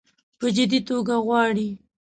په جدي توګه غواړي.